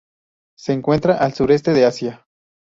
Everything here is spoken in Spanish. Se encuentra al sureste de Asia.